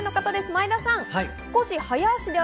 前田さん。